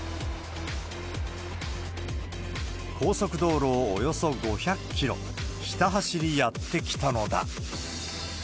高速道路をおよそ５００キロ、ひた走りやって来たのだ。